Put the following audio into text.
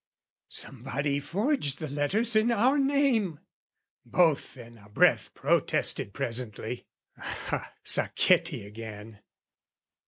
"Somebody forged the letters in our name! " Both in a breath protested presently. Aha, Sacchetti again!